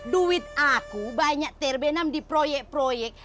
duit aku banyak terbenam di proyek proyek